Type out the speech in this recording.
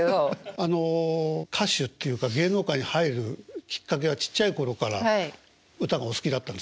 あの歌手っていうか芸能界に入るきっかけはちっちゃい頃から歌がお好きだったんですか？